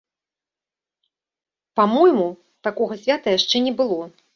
Па-мойму, такога свята яшчэ не было.